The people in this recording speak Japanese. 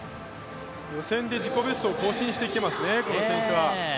予選で自己ベストを更新してきていますね、この選手は。